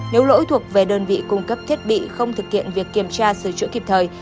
nếu lỗi thuộc về đơn vị cung cấp thiết bị không thực hiện việc kiểm tra sửa chữa kịp thời